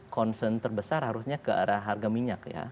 concern terbesar harusnya ke arah harga minyak ya